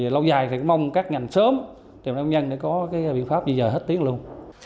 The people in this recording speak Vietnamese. lâu dài thì mong các ngành sớm tìm ra công nhân để có cái biện pháp di dời hết tiếng luôn